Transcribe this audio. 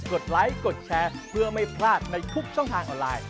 ดไลค์กดแชร์เพื่อไม่พลาดในทุกช่องทางออนไลน์